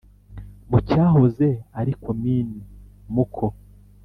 Mu cyahoze ari Komini Muko